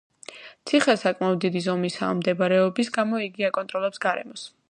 ციხე საკმაოდ დიდი ზომისაა, მდებარეობის გამო იგი აკონტროლებს გარემოს.